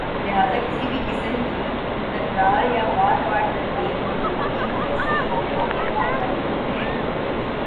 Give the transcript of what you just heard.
لہذا کسی بھی قسم کی تکرار یا بار بار ترغیب غنودگی جیسی کیفیت پیدا کرتی ہے